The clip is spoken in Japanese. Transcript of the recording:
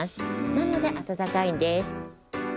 なのであたたかいんです。